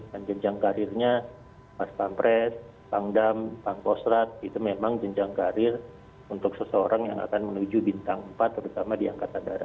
dan jenjang karirnya pak spampret pak dam pak posrat itu memang jenjang karir untuk seseorang yang akan menuju bintang